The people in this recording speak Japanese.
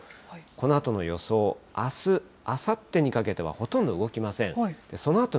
このあとの予想、あす、あさってにかけてはほとんど動きません。